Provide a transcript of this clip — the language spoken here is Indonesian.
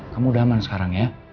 kamu udah aman sekarang ya